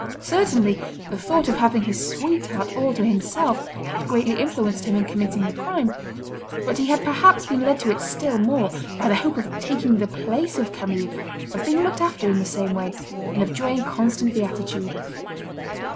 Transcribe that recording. Certainly, the thought of having his sweetheart all to himself had greatly influenced him in committing the crime, but he had perhaps been led to it still more, by the hope of taking the place of Camille, of being looked after in the same way, and of enjoying constant beatitude.